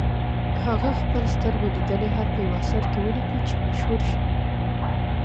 هغه خپل سترګو لیدلی حال په یوه اثر کې ولیکه چې مشهور شو.